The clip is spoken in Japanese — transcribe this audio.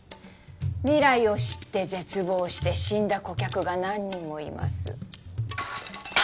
未来を知って絶望して死んだ顧客が何人もいます